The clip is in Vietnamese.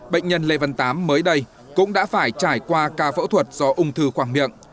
bệnh nhân lê văn tám mới đây cũng đã phải trải qua ca phẫu thuật do ung thư khoảng miệng